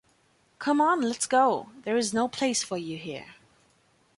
Come on! let's go! There is no place for you here.